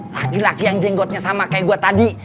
laki laki yang jenggotnya sama kayak gue tadi